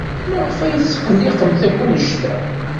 Maɣef ay tetqelliqemt akk anect-a?